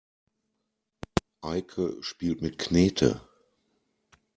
Eike spielt mit Knete.